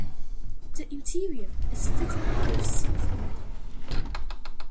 The interior is fitted with soft leather.